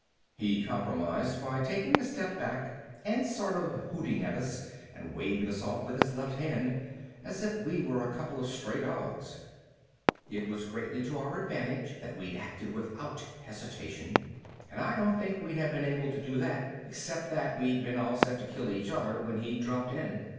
_ He compromised by taking a step back and sort of hooting at us and waving us off with his left hand, as if we were a couple of stray dogs. It was greatly to our advantage that we'd acted without hesitation, and I don't think we'd have been able to do that except that we'd been all set to kill each other when he dropped in.